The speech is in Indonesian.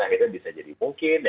akhirnya bisa jadi mungkin